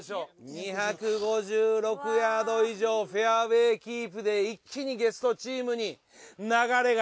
２５６ヤード以上フェアウェイキープで一気にゲストチームに流れが。